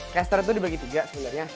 caster itu dibagi tiga sebenarnya